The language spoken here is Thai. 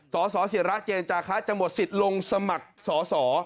สสิระเจนจาคะจะหมดสิทธิ์ลงสมัครสอสอ